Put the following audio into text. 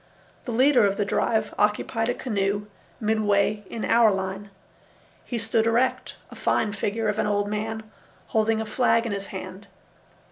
The leader of the drive occupied a canoe midway in our line. He stood erect, a fine figure of an old man, holding a flag in his hand.